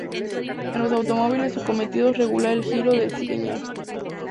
En los automóviles su cometido es regular el giro del cigüeñal.